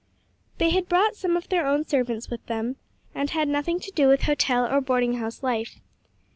They had brought some of their own servants with them, and had nothing to do with hotel or boarding house life.